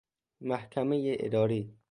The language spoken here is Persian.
محکمۀ اداری